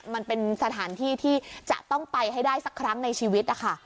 มันเป็นสถานที่ที่จะต้องไปให้ได้สักครั้งในชีวิตนะคะ